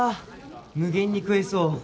無限に食えそう。